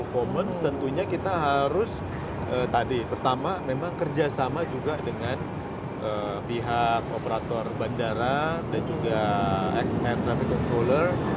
performance tentunya kita harus tadi pertama memang kerjasama juga dengan pihak operator bandara dan juga air traffic controller